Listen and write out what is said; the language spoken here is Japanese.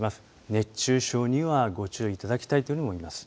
熱中症にはご注意いただきたいと思います。